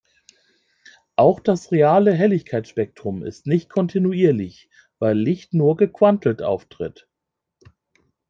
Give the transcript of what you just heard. Auch das reale Helligkeitsspektrum ist nicht kontinuierlich, weil Licht nur gequantelt auftritt.